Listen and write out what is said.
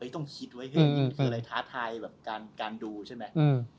เอ้ยต้องคิดไว้มันท้าทายการดูใช่ไหม